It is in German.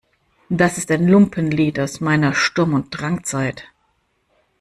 Das ist ein Lumpenlied aus meiner Sturm- und Drangzeit.